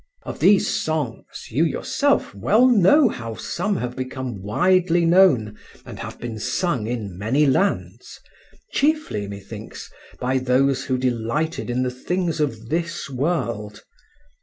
Of these songs you yourself well know how some have become widely known and have been sung in many lands, chiefly, methinks, by those who delighted in the things of this world.